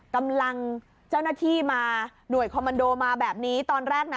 กำลังเจ้าหน้าที่มาหน่วยคอมมันโดมาแบบนี้ตอนแรกนะ